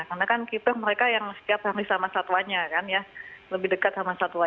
karena kan keeper mereka yang setiap hari sama satuannya kan ya lebih dekat sama satwa